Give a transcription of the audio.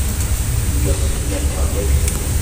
Lliɣ sseknafeɣ-d aksum.